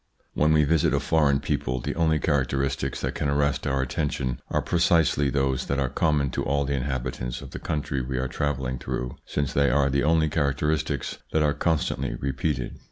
When we visit a foreign people the only charac teristics that can arrest our attention are precisely those that are common to all the inhabitants of the country we are travelling through, since they are the only characteristics that are constantly repeated.